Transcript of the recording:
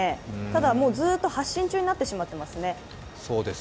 ただ、ずっと発信中になってしまっていますね。